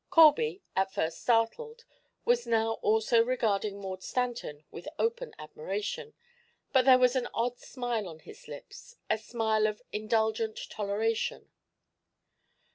Colby, at first startled, was now also regarding Maud Stanton with open admiration; but there was an odd smile on his lips, a smile of indulgent toleration.